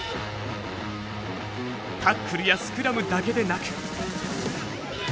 タックルやスクラムだけでなく。